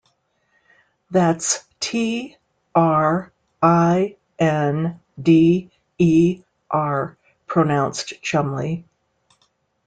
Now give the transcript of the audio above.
That's T-R-I-N-D-E-R, pronounced Chumley.